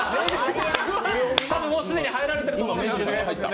多分、もう既に入られていると思います！